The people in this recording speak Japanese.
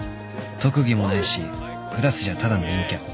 特技もないしクラスじゃただの陰キャ